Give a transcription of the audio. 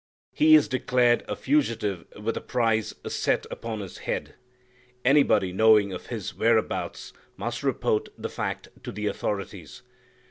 He is declared a fugitive with a price set upon His head. Anybody knowing of His whereabouts must report the fact to the authorities.